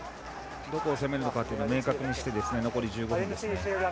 どこを攻めるのか明確にして残り１５分ですね。